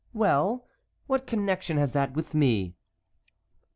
"Well, what connection has that with me?"